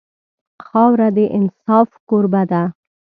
خاوره د انصاف کوربه ده.